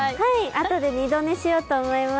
あとで二度寝しようと思います。